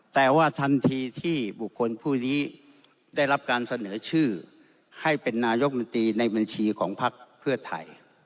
แต่ว่าทันทีที่บุคคลผู้นี้ได้รับการเสนอชื่อให้เป็นนายกมนตรีในบัญชีของพักเพื่อไทย